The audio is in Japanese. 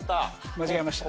間違えました。